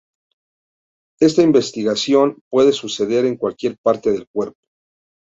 Esta invaginación puede suceder en cualquier parte del cuerpo.